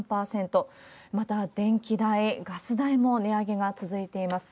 また電気代、ガス代も値上げが続いています。